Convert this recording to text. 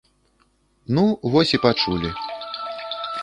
Ну, вось і пачулі.